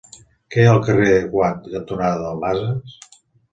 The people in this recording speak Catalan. Què hi ha al carrer Watt cantonada Dalmases?